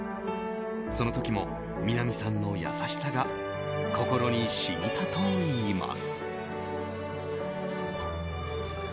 その時も南さんの優しさが心にしみたといいます。